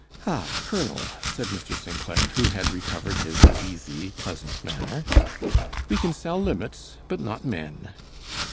"Ah, Colonel," said Mr. St. Clair, who had recovered his easy, pleasant manner, "we can sell limits but not men."